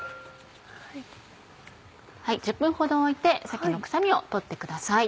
１０分ほどおいて鮭の臭みを取ってください。